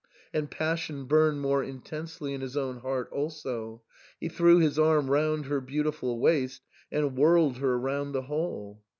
And passion burned more, intensely in his own heart also ; he threw his arm round her beautiful waist and whirled her round the hall.